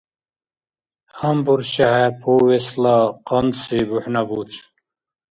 ГьанбуршехӀе повестла къантӀси бухӀнабуц.